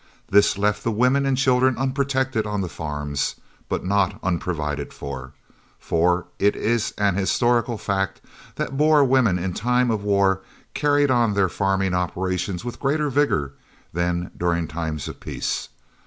This left the women and children unprotected on the farms, but not unprovided for, for it is an historical fact that the Boer women in time of war carried on their farming operations with greater vigour than during times of peace.